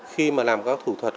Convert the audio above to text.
khi mà làm các thủ thuật